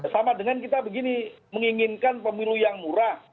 sama dengan kita begini menginginkan pemilu yang murah